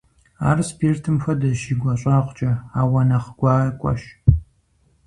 Ар спиртым хуэдэщ и гуащӀагъкӀэ, ауэ нэхъ гуакӀуэщ.